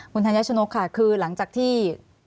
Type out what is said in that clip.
คุณธานยักษ์ชนกรขักคือหลังจากที่